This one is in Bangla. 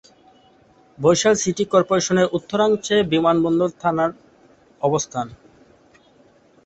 বরিশাল সিটি কর্পোরেশনের উত্তরাংশে বিমানবন্দর থানার অবস্থান।